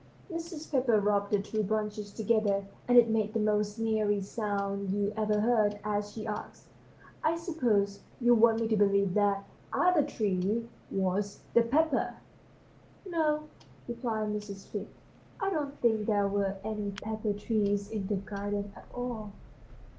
Mrs. Pepper rubbed two branches together, and it made the most sneery sound you ever heard, as she asked: "I suppose you want me to believe that 'other tree' was the pepper?" "No," replied Mrs. Fig, "I don't think there were any pepper trees in the garden at all."